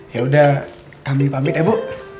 ya udah kambing pamit ya bu